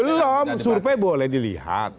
belum survei boleh dilihat